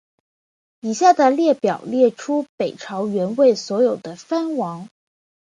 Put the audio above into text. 以下的列表列出北朝元魏所有的藩王。